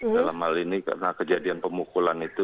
dalam hal ini karena kejadian pemukulan itu